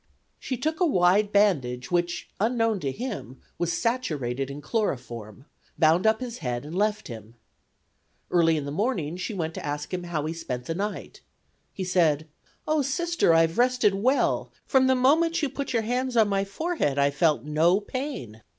She took a wide bandage which, unknown to him, was saturated in chloroform, bound up his head and left him. Early in the morning she went to ask him how he spent the night. He said: "Oh, Sister, I have rested well; from the moment you put your hands on my forehead I experienced no pain."